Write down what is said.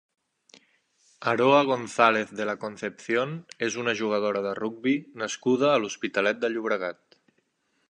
Aroa González de la Concepción és una jugadora de rugbi nascuda a l'Hospitalet de Llobregat.